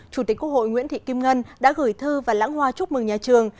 chủ tịch quốc hội nguyễn thị kim ngân đã gửi thư và lãng hoa chúc mừng nhà trường